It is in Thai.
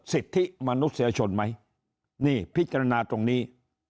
สิทธิมนุษยชนไหมนี่พิจารณาตรงนี้